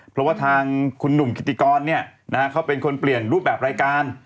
เพราะว่าทางคุณหนุ่มกิติกรเขาเป็นคนเปลี่ยนรูปแบบรายการ